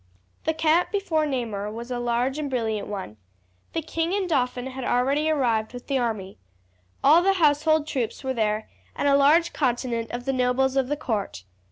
The camp before Namur was a large and brilliant one. The king and dauphin had already arrived with the army. All the household troops were there, and a large contingent of the nobles of the court.